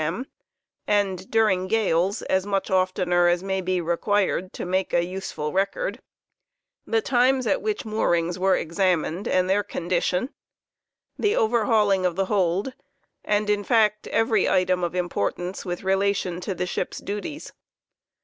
t and, during gales, as much oftener as may be required to make a useful record; the times at which moorings were examined, and their condition; the over hauling of the hold, and in fact every item of' importance with relation to the ship's duties.